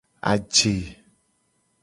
Aje.